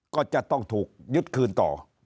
ก็จะต้องถูกยึดคืนต่อ